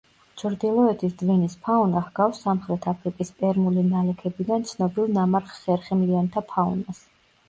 ჩრდილოეთის დვინის ფაუნა ჰგავს სამხრეთ აფრიკის პერმული ნალექებიდან ცნობილ ნამარხ ხერხემლიანთა ფაუნას.